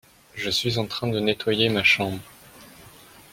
Je suis en train de nettoyer ma chambre.